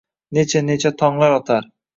Necha-necha tonglar otar